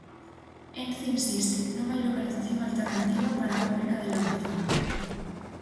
Ence insiste: non hai localización alternativa para a fábrica de Lourizán.